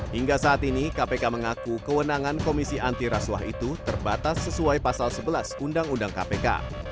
hingga saat ini kpk mengaku kewenangan komisi anti rasuah itu terbatas sesuai pasal sebelas undang undang kpk